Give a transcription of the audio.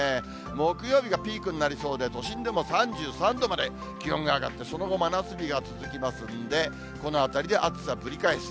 木曜日がピークになりそうで、都心でも３３度まで気温が上がって、その後、真夏日が続きますんで、このあたりで、暑さぶり返す。